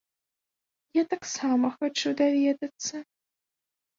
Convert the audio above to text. Я таксама хачу даведацца!